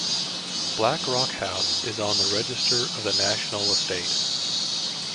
Black Rock House is on the Register of the National Estate.